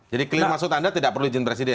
jadi clear maksud anda tidak perlu izin presiden